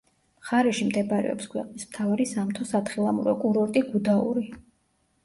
მხარეში მდებარეობს ქვეყნის მთავარი სამთო-სათხილამურო კურორტი გუდაური.